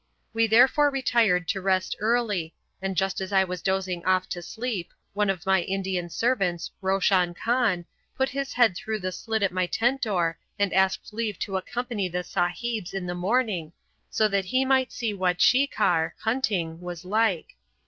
We therefore retired to rest early, and just as I was dozing off to sleep, one of my Indian servants, Roshan Khan, put his head through the slit at my tent door and asked leave to accompany the "Sahibs" in the morning so that he might see what shikar (hunting) was like.